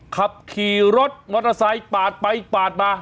ขับขี่รถมอเตอร์ไซค์ปาดไปปาดมา